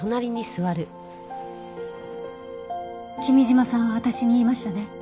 君嶋さんは私に言いましたね。